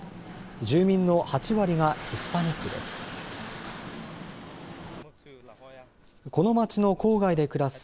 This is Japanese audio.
住民の８割がヒスパニックです。